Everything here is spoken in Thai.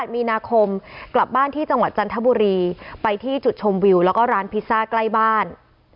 มีนาคมกลับบ้านที่จังหวัดจันทบุรีไปที่จุดชมวิวแล้วก็ร้านพิซซ่าใกล้บ้าน